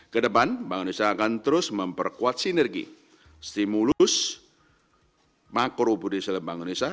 kedepan bank indonesia akan terus memperkuat sinergi stimulus makro budaya islam bank indonesia